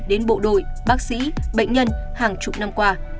đến bộ đội bác sĩ bệnh nhân hàng chục năm qua